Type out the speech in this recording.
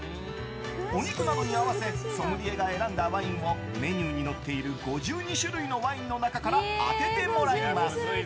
お肉などに合わせソムリエが選んだワインをメニューに載っている５２種類のワインの中から当ててもらいます。